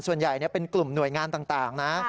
ส่วนใหญ่เป็นกลุ่มหน่วยงานต่างนะ